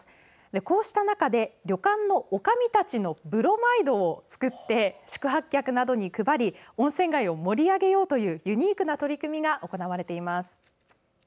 こうした中で旅館のおかみたちのブロマイドを作って宿泊客などに配り温泉街を盛り上げようというユニークな取り組みが行われています。